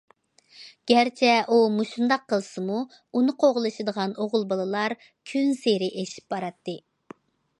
گەرچە ئۇ مۇشۇنداق قىلسىمۇ ئۇنى قوغلىشىدىغان ئوغۇل بالىلار كۈنسېرى ئېشىپ باراتتى.